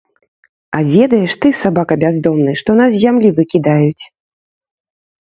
А ведаеш ты, сабака бяздомны, што нас з зямлі выкідаюць?